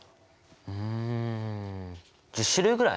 うん１０種類ぐらい？